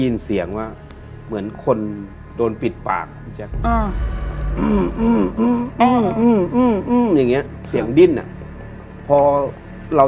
เปิดประตูออกมา